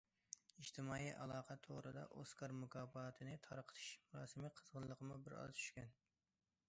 ئىجتىمائىي ئالاقە تورىدا ئوسكار مۇكاپاتىنى تارقىتىش مۇراسىمى قىزغىنلىقىمۇ بىر ئاز چۈشكەن.